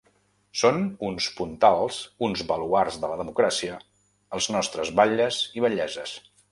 Són uns puntals, uns baluards de la democràcia, els nostres batlles i batllesses.